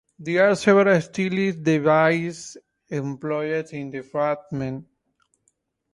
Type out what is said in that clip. There are several stylistic devices employed in this fragment.